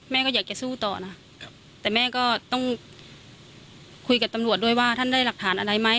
แม่ก็อยากจะสู้ต่อนะแต่แม่ก็ต้องคุยกับตำรวจด้วยว่าท่านได้หลักฐานอะไรไหม